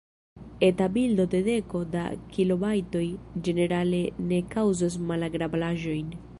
Eta bildo de deko da kilobajtoj ĝenerale ne kaŭzos malagrablaĵojn.